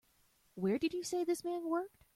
Where did you say this man worked?